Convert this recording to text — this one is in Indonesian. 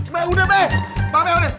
be udah be ba be udah